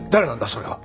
それは。